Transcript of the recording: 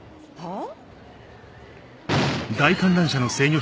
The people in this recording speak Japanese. あ。